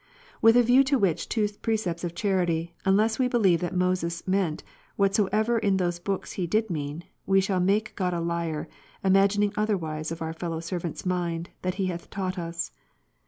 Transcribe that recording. With a view to which two precepts of charity, unless we believe that Moses meant, whatsoever in those books he did mean, we shall make God a liar, imagining otherwise of our fellow servant's mind, than He hath taught us.